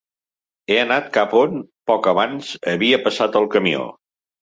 He anat cap on, pocs abans, havia passat el camió.